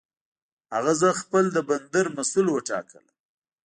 هغه زه خپل د بندر مسؤل وټاکلم.